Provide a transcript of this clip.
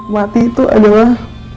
mati itu adalah